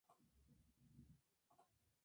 Ingresó furioso a la oficina presidencial.